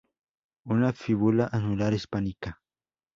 Una fíbula anular hispánica.